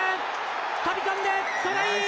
飛び込んでトライ。